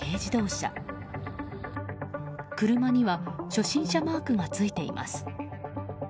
車には初心者マークがついています。